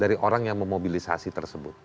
dari orang yang memobilisasi tersebut